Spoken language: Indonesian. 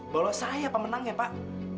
bahwa saya pemenang ya pak